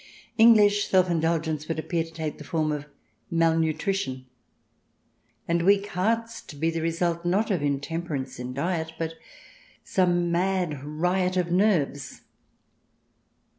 English self indulgence would appear to take the form of malnutrition, and weak hearts to be the result, not of intemperance in diet, but some mad riot of nerves.